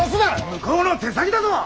向こうの手先だぞ！